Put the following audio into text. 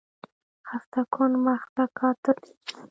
خسته کن مخ ته کاته دي